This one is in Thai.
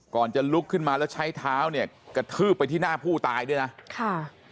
จะลุกขึ้นมาแล้วใช้เท้าเนี่ยกระทืบไปที่หน้าผู้ตายด้วยนะค่ะ